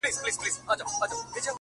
مسافرۍ کي دي ايره سولم راټول مي کړي څوک،